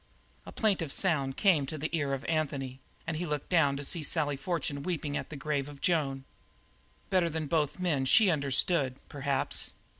A plaintive sound came to the ear of Anthony, and he looked down to see Sally Fortune weeping at the grave of Joan. Better than both the men she understood, perhaps.